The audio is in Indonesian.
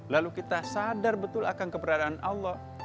lalu kita sadar betul akan keberadaan allah